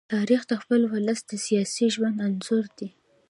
تاریخ د خپل ولس د سیاسي ژوند انځور دی.